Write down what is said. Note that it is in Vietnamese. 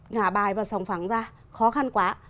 ngả bài và sòng phẳng ra khó khăn quá